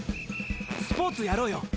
スポーツやろうよ。